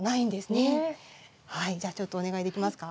はいじゃあちょっとお願いできますか？